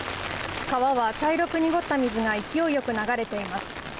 川は茶色く濁った水が勢いよく流れています。